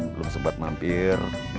belum sempat mampir